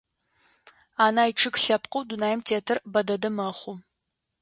Анай чъыг лъэпкъэу дунаим тетыр бэ дэдэ мэхъу.